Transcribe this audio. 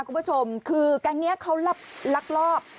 คุณผู้ชมคือแก๊งนี้เขาลักลอบ